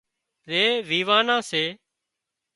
زي ويوان نا سي